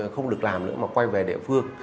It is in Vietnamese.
không được làm nữa mà quay về địa phương